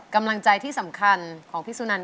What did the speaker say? กำลังใจที่สำคัญของพี่สุนัน